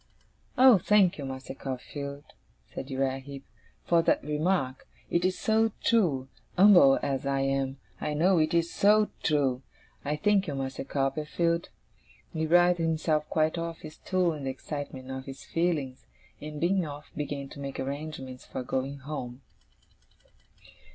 'Oh, thank you, Master Copperfield,' said Uriah Heep, 'for that remark! It is so true! Umble as I am, I know it is so true! Oh, thank you, Master Copperfield!' He writhed himself quite off his stool in the excitement of his feelings, and, being off, began to make arrangements for going home.